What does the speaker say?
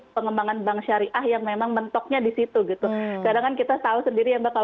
pengembangan bank syariah yang memang mentoknya disitu gitu kadang kita tahu sendiri yang bakal